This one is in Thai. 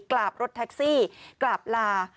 กลับรถแท็กซี่กลับลา